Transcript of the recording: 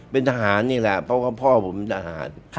เป็นทหารนี่แหละเพราะว่าพ่อผมเป็นทหาร